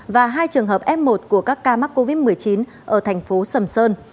và hai trường hợp f một của các ca mắc covid một mươi chín ở thành phố sầm sơn